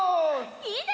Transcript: いいね！